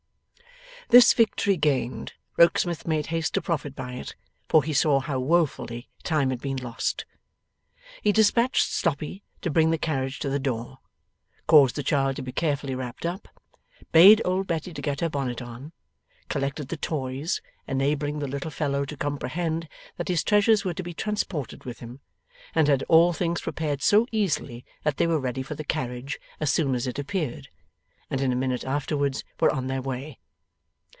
This victory gained, Rokesmith made haste to profit by it, for he saw how woefully time had been lost. He despatched Sloppy to bring the carriage to the door; caused the child to be carefully wrapped up; bade old Betty get her bonnet on; collected the toys, enabling the little fellow to comprehend that his treasures were to be transported with him; and had all things prepared so easily that they were ready for the carriage as soon as it appeared, and in a minute afterwards were on their way.